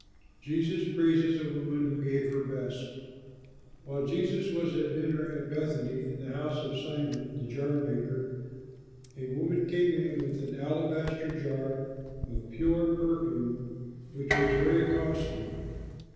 JESUS PRAISES A WOMAN WHO GAVE HER BEST While Jesus was at dinner at Bethany in the house of Simon, the jar maker, a woman came in with an alabaster jar of pure perfume, which was very costly.